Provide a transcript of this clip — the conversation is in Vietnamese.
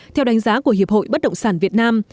theo đánh giá của hiệp hội bất động sản việt nam